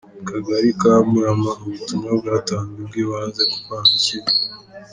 Mu kagari ka Murama ubutumwa bwatanzwe bwibanze ku kwanga ikibi.